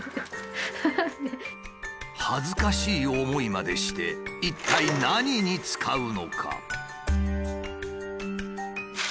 恥ずかしい思いまでして一体何に使うのか？